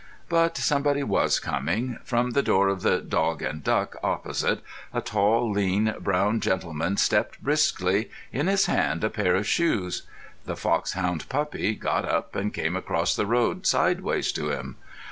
But somebody was coming. From the door of "The Dog and Duck" opposite, a tall, lean, brown gentleman stepped briskly, in his hand a pair of shoes. The foxhound puppy got up and came across the road sideways to him.